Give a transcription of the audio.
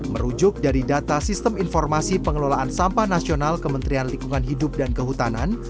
merujuk dari data sistem informasi pengelolaan sampah nasional kementerian lingkungan hidup dan kehutanan